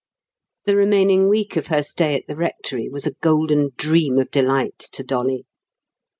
The remaining week of her stay at the rectory was a golden dream of delight to Dolly.